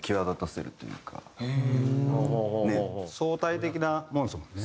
相対的なものですもんね。